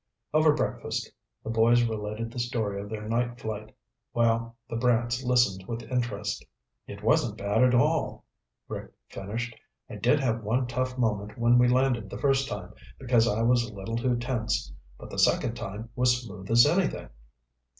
Over breakfast, the boys related the story of their night flight while the Brants listened with interest. "It wasn't bad at all," Rick finished. "I did have one tough moment when we landed the first time, because I was a little too tense. But the second time was smooth as anything."